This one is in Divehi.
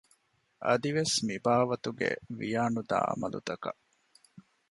އަދިވެސް މިބާވަތުގެ ވިޔާނުދާ ޢަމަލުތަކަށް